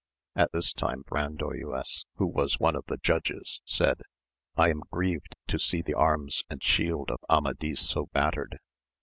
At this time Bran doyuas, who was one of the judges, said, I am grieved to see the arms and shield of Amadis so battered